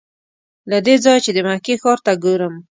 له دې ځایه چې د مکې ښار ته ګورم.